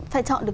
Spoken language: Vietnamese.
phải chọn được